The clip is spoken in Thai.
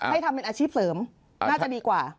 ให้ทำเป็นอาชีพเสริมน่าจะดีกว่า